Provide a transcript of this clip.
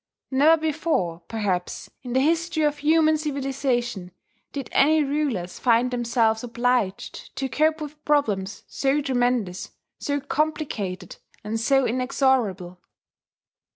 Never before, perhaps, in the history of human civilization, did any rulers find themselves obliged to cope with problems so tremendous, so complicated, and so inexorable.